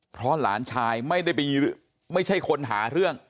เพราะหลานชายไม่ได้ไปไม่ใช่คนหาเรื่อง